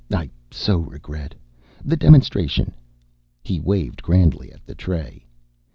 I so regret. The demonstration." He waved grandly at the tray.